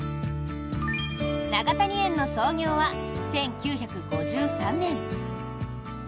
永谷園の創業は１９５３年。